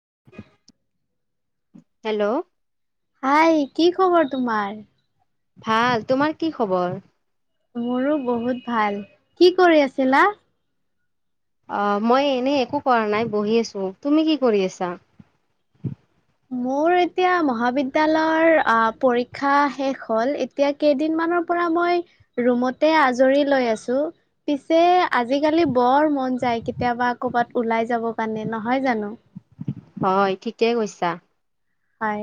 [inaudible] Hello. Hi কি খবৰ তোমাৰ ভাল, তোমাৰ কি খবৰ? ময়ো বহুত ভাল কি কৰি আছিলা? অ মই এনে একো কৰা নাই বহি আছো তুমি কি কৰি আছা মোৰ এতিয়া মহাবিদ্যালয়ৰ পৰীক্ষা শেষ হল এতিয়া কেইদিন মানৰ। মই ৰুমতে আজৰি লৈ আছো পিছে আজিকালি বৰ মন যাই কেতিয়াবা ক'বাত ওলাই যাব কাৰণে নহয় জানো? হয় ঠিকেই কৈছা হয়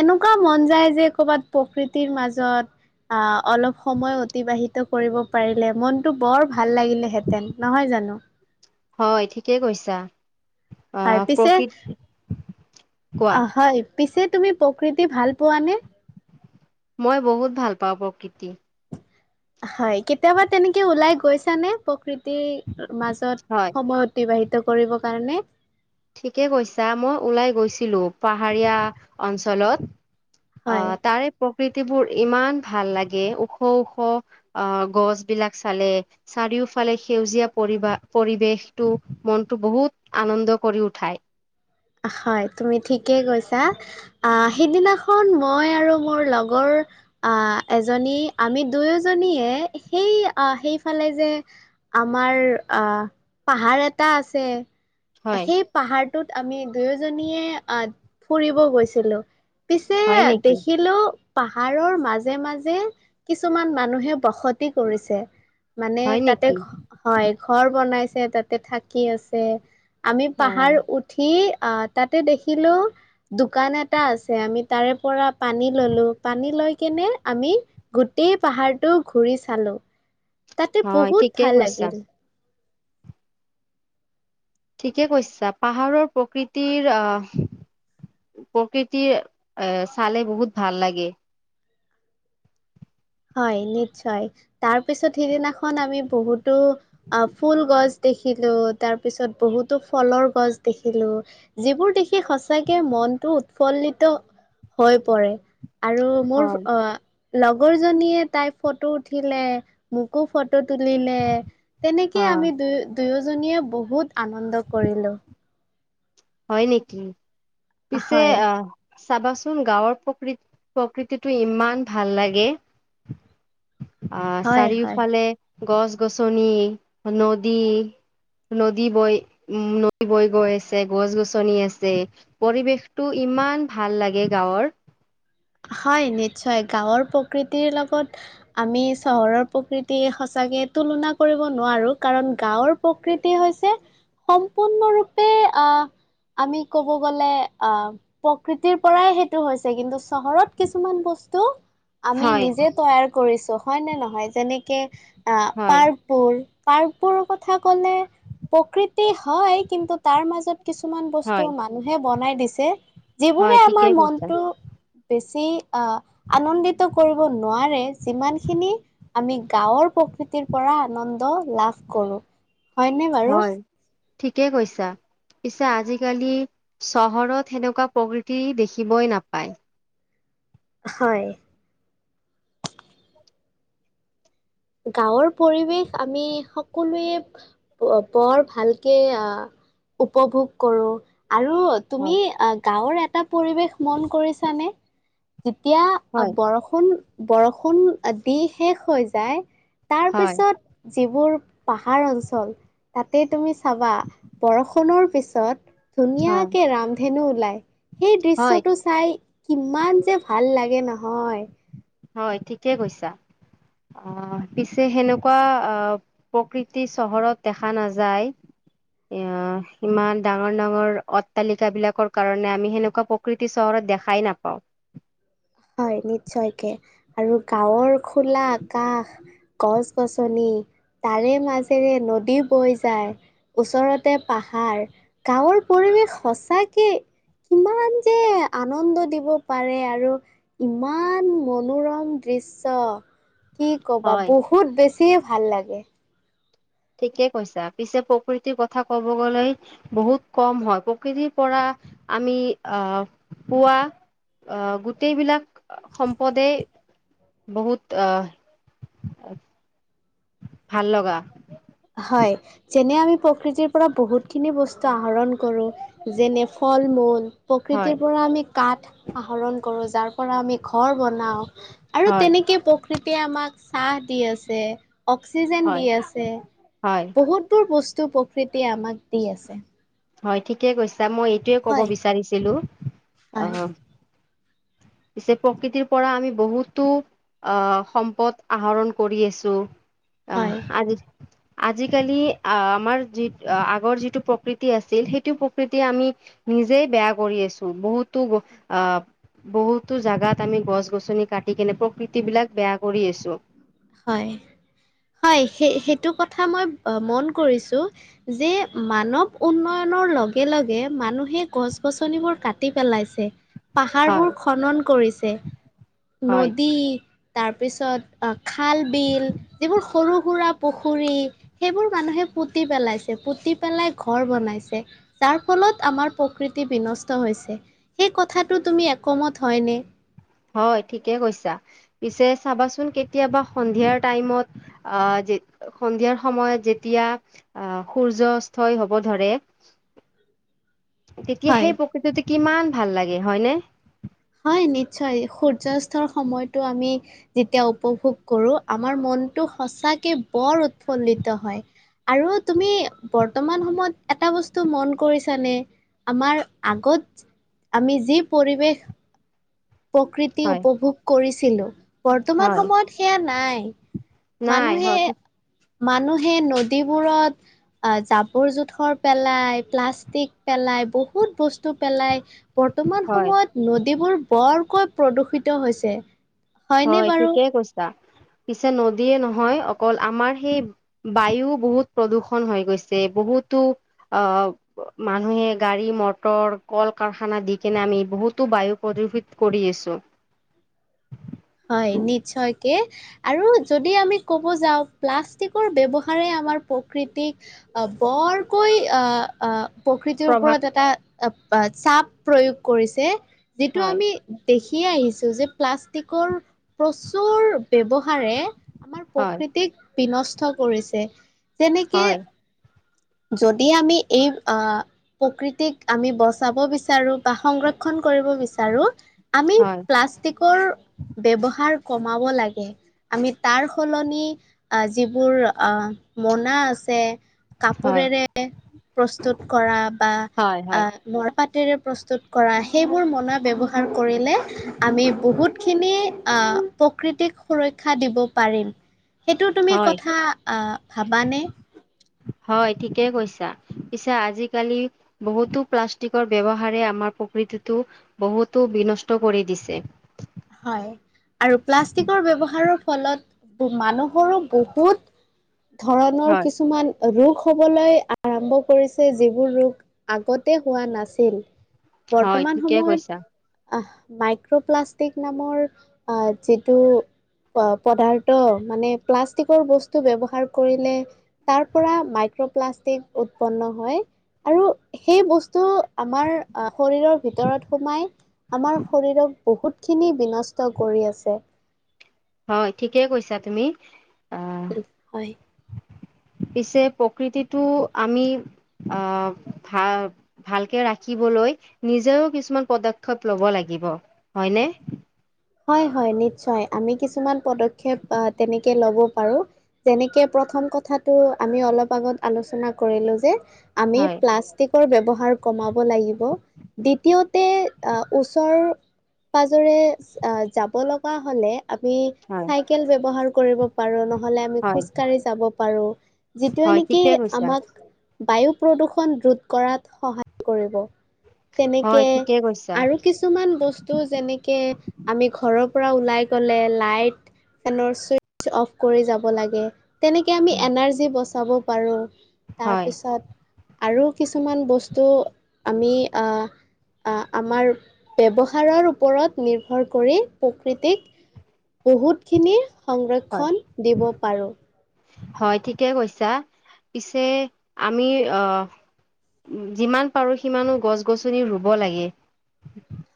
এনেকুৱা মন যায় যে কৰ'বাত প্ৰকৃতিৰ মাজত আহ অলপ সময় অতিবাহিত কৰিব পাৰিলে মনতটো বৰ ভাল ভাল লাগিলেহেঁতেন নহয় জানো। হয় ঠিকেই কৈছা। হয় আহ পিছে প্ৰকৃত কোৱা অ, হয় পিছে তুমি প্ৰকৃতি ভাল পোৱা নে মই বহুত ভাল পাওঁ প্ৰকৃতি হয় কেতিয়াবা তেনেকে ওলাই গৈছা নে প্ৰকৃত মাজত হয় সময় অতিবাহিত কৰিবৰ কাৰণে ঠিকে কৈছা মই ওলাই গৈছিলো পাহাৰীয়া অঞ্চলত অ হয় তাৰোৰে প প্ৰকৃতিবোৰ ইমান ভাল লাগে ওখ-ওখ অ, গছ বিলাক চালে চাৰিও ফালে সেউজীয়া পৰিবা পৰিবেশটো মনটো বহুত আনন্দ কৰি উঠায় হয় তুমি ঠিকেই কৈছা আহ, সিদিনাখন মই আৰু মোৰ লগৰ আহ এজনী আমি দুয়োজনীয়ে সেই আহ সেইফালে যে। আমাৰ আহ পাহাৰ এটা আছে হয় সেই পাহাৰটোত আমি দুয়োজনীয়ে আহ ফুৰিব গৈছিলো পিছে হয় নেকি দেখিলো। পাহাৰৰ মাজে মাজে কিছুমান মানুহে বসতি কৰিছে মানে হয় তাতে নেকি হয় ঘৰ বনাইছে তাতে থাকি আছে। আমি অ পাহাৰ উঠি অ' তাতে দেখিলো দোকান এটা আছে আমি তাৰে পৰা পানী ললো পানী লৈ কেনে আমি গোটেই পাহাৰটো ঘূৰি চালো তাতে হয় বহুত ঠিকেই ভাল কৈছা লাগিল ঠিকে কৈছা পাহাৰৰ প্ৰকৃতিৰ আহ প্ৰকৃতিৰ চালে বহুত ভাল লাগে হয় নিশ্চয় তাৰপিছত সিদিনাখন আমি বহুতো ফুল গছ দেখিলো তাৰ পিছত বহুতো ফলৰ গছ দেখিলো যিবোৰ দেখি সঁচাকে মই টো উৎফুল্লিত হৈ পৰে আৰু মোৰ হয় অ লগৰ জনীয়ে তাই ফটো উঠিলে মোকো ফটো। ফটো তুলিলে তেনেকে অ আমি দুই। দুয়োজনীয়ে বহুত আনন্দ কৰিলোঁ হয় নেকি পিছে হয় আহ চাবাচোন গাঁৱৰ প্ৰকৃ প্ৰকৃতিটো ইমান ভাল লাগে আহ হয় হয় চাৰিওফালে গছ গছনি নদী। নদী বৈ উম নদী বৈ গৈ আছে। গছ গছনি আছে পৰিৱেশটো ইমান ভাল লাগে গাঁৱৰ হয় নিশ্চয় গাঁৱৰ প্ৰকৃতিৰ লগত আমি চহৰৰ প্ৰকৃতি সঁচা তাকে তুলনা কৰিব নোৱাৰো কাৰণ গাঁৱৰ প্ৰকৃতি হৈছে সম্পূৰ্ণৰূপে আহ আমি কব গ'লে আহ প্ৰকৃতিৰ পৰাই সেইটো হৈছে কিন্তু চহৰত কিছুমান বস্তু আমি হয় নিজে তৈয়াৰ কৰিছোঁ। হয় নে নহয় যেনেকে আ হয় পাৰকবোৰ পাৰ্কবোৰ কথা ক'লে প্ৰকৃতি হয় কিন্তু তাৰ মাজত কিছুমান হয় বস্তু মানুহে বনাই দিছে হয় যিবোৰে আমাৰ ঠিকেই কৈছা মনটো বেছি আ, আনন্দিত কৰিব নোৱাৰে যিমানখিনি আমি গাঁৱৰ প্ৰকৃতিৰ পৰা আনন্দ লাভ কৰো হয়নে বাৰু। হয় ঠিকেই কৈছা। পিছে আজিকালি চহৰত সেনেকুৱা প্ৰকৃতি দেখিবই নাপায়। হয়। গাওঁৰ পৰিৱেশ আমি সকলোৱে বৰ ভালকে আ উপভোগ কৰোঁ আৰু হয়, তুমি গাওঁৰ এটা পৰিৱেশ মন কৰিছানে? যেতিয়া হয়। বৰষুণ বৰষুণ দি শেষ হৈ যায়। তাৰ হয়, পিছত। যিবোৰ পাহাৰ অঞ্চল তাতে তুমি চাবা বৰষুণৰ পিছত। হয়, ধুনীয়াকে ৰামধেনু ওলাই, সেই হয়, দৃশ্যটো চাই কিমান যে ভাল লাগে। সে নহয়। হয় ঠিকে কৈছা। আ, পিছে সেনেকুৱা আ, প্ৰকৃতি চহৰত দেখা নাযায়। এ, ইমান ডাঙৰ ডাঙৰ অট্টালিকা বিলাকৰ কাৰণে আমি সেনেকুৱা প্ৰকৃতি চহৰ দেখাই নাপাওঁ। হয়, নিশ্চয়কে আৰু গাঁৱৰ খোলা আকাশ গছ -গছনি তাৰে মাজেৰে নদী বৈ যায়। ওচৰতে পাহাৰ গাঁৱৰ পৰিৱেশ সঁচাকে কিমান যে আনন্দ দিব পাৰে আৰু। ইমান মনোৰম দৃশ্য। কি ক'বা হয়, বহুত বেছিয়ে ভাল লাগে। ঠিকে কৈছা পিছে প্ৰকৃতিৰ কথা ক'ব গলে বহুত কম হয় প্ৰকৃতি পৰা আমি আ, পুৱা। অহ গোটেইবিলাক সম্পদে বহুত আহ [inaudible] ভাল লগা হয়, যেনে আমি প্ৰকৃতিৰ পৰা বহুত খিনি বস্তু আহৰণ কৰো, যেনে ফল-মূল হয় প্ৰকৃতিৰ পৰা আমি কাঠ আহৰণ কৰো যাৰ পৰা আমি ঘৰ বনাওঁ আৰু হয় তেনেকে প্ৰকৃত তে আমাক চাহ দি আছে, অক্সিজেন হয় দি আছে, হয় বহুতবোৰ বস্তু প্ৰকৃতিয়ে আমাক দি আছে। হয় ঠিকে কৈছা মই এইটোৱে ক'ব হয়, বিচাৰিছিলো অ, হয়, [inaudible] পিছে প্ৰকৃতিৰ পৰা আমি বহুতো অ, সম্পদ আহৰণ কৰি আছো। হয়, আহ, আজি আজিকালি আ, আমাৰ যিটো আগৰ যিটো প্ৰকৃতি [unintelligible] আছিল সেইটো প্ৰকৃতি আমি নিজেই বেয়া কৰি আছো বহুতো [unintelligible] আ বহুতো জাগাত আমি গছ -গছনি কাটি কেনে প্ৰকৃতি বিলাক বেয়া কৰি আছো। হয়। থা মই অ, মন কৰিছো যে মানৱ উন্নয়নৰ লগে লগে মানুহে সেই গছ -গছনিবোৰ কাটি পেলাইছে। পাহাৰবোৰ হয় খনন কৰিছে, হয় নদী তাৰপিছত খাল -বিল যিবোৰ সৰু সুৰা পুখুৰী সেইবোৰ মানুহে পুতি পেলাইছে পুতি। তি পেলাই ঘৰ বনাইছে। যাৰ ফলত আমাৰ প্ৰকৃতি বিনষ্ট হৈছে। সেই কথা সেইটো তুমি একমত হয়নে? হয় ঠিকে কৈছা, পিছে চাবাচোন কেতিয়াবা সন্ধিয়াৰ টাইমত আ সন্ধিয়াৰ সময়ত যেতিয়া আ, সূৰ্যাস্তয় হব ধৰে তেতিয়া হয় সেই প্ৰকৃততে কিমান ভাল লাগে, হয়নে? হয় নিশ্চয়, সূৰ্যাস্তৰ সময়তটো আমি যেতিয়া উপভোগ কৰো আমাৰ মন মনটো সঁচাকে বৰ উৎফুল্লিত হয়। আৰু তুমি বৰ্তমান সময়ত এটা বস্তু মন কৰিছানে? আমাৰ আগত আমি যি পৰিৱেশ প্ৰকৃতি হয় উপভোগ কৰিছিলো, বৰ্তমান হয় সময়ত সেয়া নাই। নাই হ মানুহে মানুহে নদীবোৰত জাবৰ-জোথৰ পেলাই, প্লাষ্টিক পেলা ই, বহুত বস্তু পেলাই। বৰ্তমান হয় সময়ত নদীবোৰ বৰকৈ প্ৰদূষিত হৈছে। হয়নে হয় বাৰু? ঠিকে কৈছা। পিছে নদীয়ে নহয় অকল আমাৰ সেই বায়ু বহুত প্ৰদূষন হৈ গৈছে। বহু হুতো অ' মানুহে গাড়ী মটৰ কল কাৰখানা দি কিনে আমি বহুতো বায়ু প্ৰদ ৰোহিত কৰি আছো। হয় নিশ্চয়কে, আৰু যদি আমি ক'ব যাওঁ প্লাষ্টিকৰ ব্যৱহাৰ আমাৰ প্ৰকৃতিক বৰকৈ আহ আহ প্ৰকৃতিৰ প্ৰভাৱ ওপৰত এটা চাপ প্ৰয়োগ কৰিছে। যিটো হয় আমি কি আহিছোঁ যে প্লাষ্টিকৰ প্ৰচুৰ ব্যৱহাৰে আমাৰ হয় প্ৰকৃতিক বিনষ্ট কৰিছে। যেনেকে হয় যদি আমি এই আহ প্ৰকৃতিক আমি বচাব বিচাৰো বা সংৰক্ষণ কৰিব বিচাৰো, আমি হয় প্লাষ্টিকৰ ব্যৱহাৰ কমাব লাগে, আমি তাৰ সলনি যিবোৰ মনা আছ যে হয় কাপোৰেৰে প্ৰস্তুত কৰা বা হয় আ হয় মৰা পাট টাৰে প্ৰস্তুত কৰা সেইবোৰ মনা ব্যৱহাৰ কৰিলে আমি বহুতখিনি আ প্ৰকৃতিক সুৰক্ষা দিব পাৰিম। সেইটো তুমি হয় কথা ভাবানে? হয় ঠিকেই কৈছা পিছে আজিকালি বহুতো প্লাষ্টিকৰ ব্যৱহাৰে আমাৰ প্ৰকৃত টোটো বহুতো বিনষ্ট কৰি দিছে। হয়। আৰু প্লাষ্টিকৰ ব্যৱহাৰৰ ফলত মানুহৰো বহুত ধৰণৰ হয় কিছুমান ৰোগ হ'বলৈ আৰম্ভ কৰিছে, যিবোৰ ৰোগ আগতে হোৱা নাছিল। হয় বৰ্তমান ঠিকে সময়ত কৈছা আহ মাইক্ৰপ্লাষ্ট টিক নামৰ যিটো পদাৰ্থ, মানে প্লাষ্টিকৰ বস্তু ব্যৱহাৰ কৰিলে তাৰ পৰা মাই ক্ৰ প্লাষ্টিক উৎপন্ন হয়, আৰু সেই বস্তু আমাৰ শৰীৰৰ ভিতৰত সোমাই, আমাৰ শৰীৰক বহুতখিনি বিনষ্ট ষ্ট কৰি আছে। হয় ঠিকে কৈছা তুমি। আহ উম, হয়। পিছে প্ৰকৃতিটো আমি আহ ভাল ভালকে ৰাখিবলৈ নিজেও কিছুমান পদক্ষেপ লব লাগ দিব হয়নে? হয়, হয় নিশ্চয়, আমি কিছুমান পদক্ষেপ তেনেকে ল'ব পাৰো। যেনেকে প্ৰথম কথাতটো আমি অলপ আগত আলোচনা কৰিলো যে। আমি হয় প্লাষ্টিক টোৰ ব্যৱহাৰ কমাব লাগিব, দ্বিতীয়তে আ ওচৰ পাজৰে আ যাব লগা হ'লে আমি হয় চাইকেল ব্যৱহাৰ কৰিব পাৰো নহলে আমি হয় খোজকাঢ়ি যাব পাৰো যিটো হয় মানে কি ঠিকে কৈছা আমাক বায়ু প্ৰদূষণ ৰোধ কৰাত সহায় কৰিব। তেনেকে হয় ঠিকে কৈছা আৰু কিছুমান বস্তু যেনেকে আমি ঘৰৰ পৰা ওলাই গ'লে লাইট, ফেনৰ চুইচ অফ কৰি যাব লাগে। তেনেকৈ আমি এনাৰ্জী বচাব পাৰো। হয় তাৰপিছত আৰু কিছুমান বস্তু আমি আ আমাৰ ব্যৱহাৰৰ ওপৰত নিৰ্ভৰ কৰি প্ৰকৃতিক, বহুতখিনি হয় সংৰক্ষণ দিব পাৰোঁ। হয় ঠিকে কৈছা, পিছে আমি আহ যিমান পাৰো সিমানো গছ-গছনি ৰুব লাগে।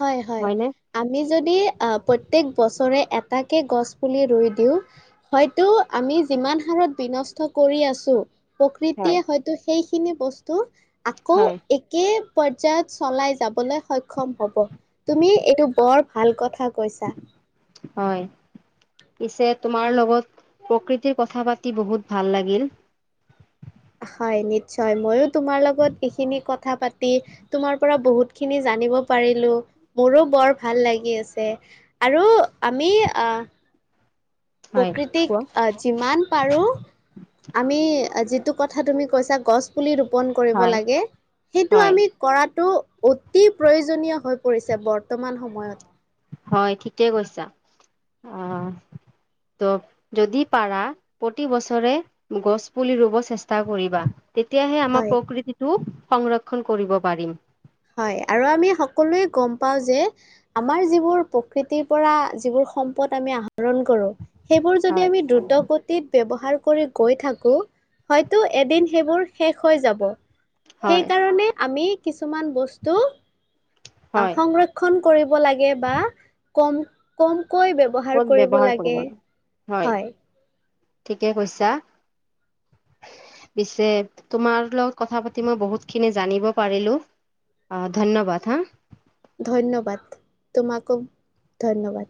হয়, হয়। হয়নে আমি যদি আ প্ৰত্যেক বছৰে এট এতাকে গছ পুলি ৰুই দিওঁ, হয়তো আমি যিমান হাৰত বিনষ্ট কৰি আছো হয় প্ৰকৃতিয়ে হয়তো সেইখিনি বস্তু আকৌ হয় একে পৰ্যায়ত চলাই যাবলৈ সক্ষম হ'ব। তুমি এইটো বৰ ভাল কথা কৈছা। হয়। পিছে তোমাৰ লগত প্ৰকৃতিৰ কথা পাতি বহুত ভাল লাগিল। হয় নিশ্চয়। ময়ো তোমাৰ লগত এইখিনি কথা পাতি তোমাৰ পৰা বহুত খিনি জানিব পাৰি [unintelligible] মোৰো বৰ ভাল লাগিছে। আৰু আমি আ হয় প্ৰকৃতিক কোৱা যিমান পাৰো, আমি যিটো কথা তুমি কৈছা গছপুলি ৰোপণ কৰিব হয় লাগে। সেইটো হয় আমি কৰাটো অতি প্ৰয়োজনীয় হৈ পৰিছে বৰ্তমান সময়ত। হয়, ঠিকেই কৈছা। অ'। ত', যদি পাৰা প্ৰতি বছৰে গছ পুলি ৰুব চেষ্টা কৰিবা। তেতিয়াহে আমাৰ হয় প্ৰকৃতিটো সংৰক্ষণ কৰিব পাৰিম। হয়, আৰু আমি সকলোৱে গম পাও যে, আমাৰ যিবোৰ প্ৰকৃতিৰ পৰা যিবোৰ সম্পদ আমি আহৰণ কৰো। সেবোৰ যদি হয় আমি দ্ৰুত গতিত ব্যৱহা পাৰ কৰি গৈ থাকো হয়তো, এদিন সেইবোৰ শেষ হৈ যাব। সেই হয় কাৰণে আমি কিছুমান বস্তু অ' হয় সংৰক্ষণ কৰিব লাগে, বা কম-কম কৈ ব্যৱহাৰ কৰিব লাগে। হয়। ঠিকে কৈছা। পিছে তোমাৰ লগত কথা পাতি মই বহুত খিনি জানিব পাৰিলো। অ', ধন্যবাদ হা। ধন্যবাদ, তোমাকো ধন্যবাদ।